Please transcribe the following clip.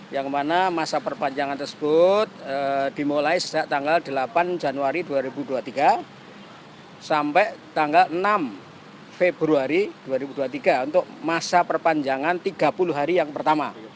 yang mana masa perpanjangan tersebut dimulai sejak tanggal delapan januari dua ribu dua puluh tiga sampai tanggal enam februari dua ribu dua puluh tiga untuk masa perpanjangan tiga puluh hari yang pertama